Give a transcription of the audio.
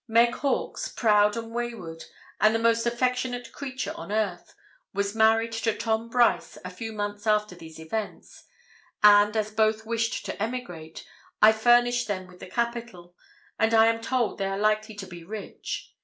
Meg Hawkes, proud and wayward, and the most affectionate creature on earth, was married to Tom Brice a few months after these events; and, as both wished to emigrate, I furnished them with the capital, and I am told they are likely to be rich.